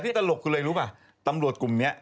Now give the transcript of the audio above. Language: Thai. ที่ตลกก็เลยรู้ป่ะตำรวจกลุ่มเนี้ย